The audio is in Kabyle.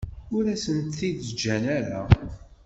Ur asen-t-id-ǧǧan ara.